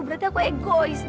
berarti aku egois dong